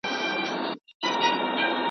چي ناهیده پکښی سوځي چي د حق چیغه زیندۍ ده .